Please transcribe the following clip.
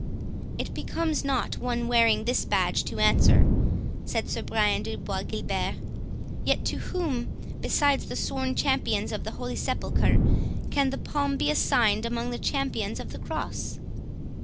"It becomes not one wearing this badge to answer," said Sir Brian de Bois Guilbert; "yet to whom, besides the sworn Champions of the Holy Sepulchre, can the palm be assigned among the champions of the Cross?"